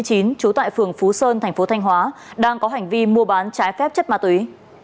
trú tại phường phú sơn tp thq đang có hành vi mua bán trái phép chất ma túy